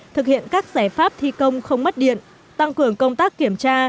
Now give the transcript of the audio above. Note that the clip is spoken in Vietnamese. thực hiện các giải pháp thi công không mất điện tăng cường công tác kiểm tra